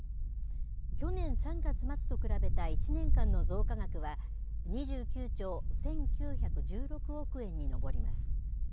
去年３月末と比べた１年間の増加額は、２９兆１９１６億円に上ります。